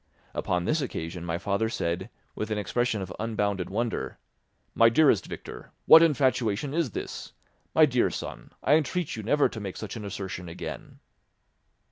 Upon this occasion my father said, with an expression of unbounded wonder, "My dearest Victor, what infatuation is this? My dear son, I entreat you never to make such an assertion again."